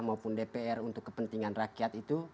maupun dpr untuk kepentingan rakyat itu